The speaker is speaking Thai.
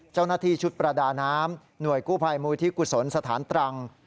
เจ้าหน้าที่ชุดประดาน้ำหน่วยกู้ภัยมูลที่กุศลสถานตรัง